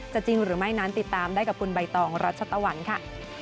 จริงหรือไม่นั้นติดตามได้กับคุณใบตองรัชตะวันค่ะ